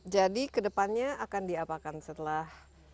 jadi kedepannya akan diapakan setelah